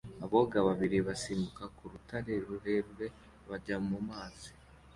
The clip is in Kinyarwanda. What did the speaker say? Aboga babiri basimbuka ku rutare rurerure bajya mu mazi